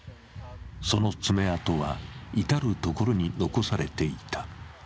その爪痕は至る所に残されていた。